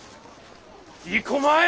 行こまい！